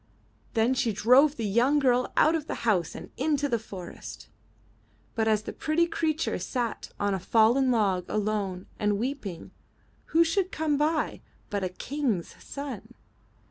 '' Then she drove the young girl out of the house and into the forest. But as the pretty creature sat on a fallen log alone and weeping, who should come by but a King's son.